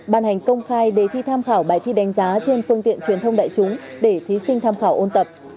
ban hành công khai đề thi tham khảo bài thi đánh giá trên phương tiện truyền thông đại chúng để thí sinh tham khảo ôn tập